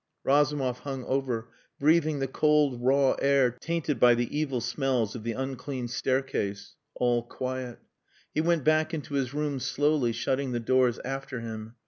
Razumov hung over, breathing the cold raw air tainted by the evil smells of the unclean staircase. All quiet. He went back into his room slowly, shutting the doors after him.